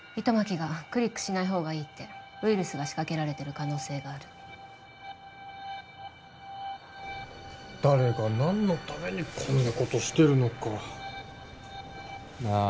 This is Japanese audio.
糸巻がクリックしないほうがいいってウイルスが仕掛けられてる可能性がある誰が何のためにこんなことしてるのかな